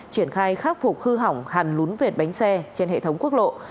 triển khai khắc phục hư hỏng hàn lún vệt bánh xe trên hệ thống quốc lộ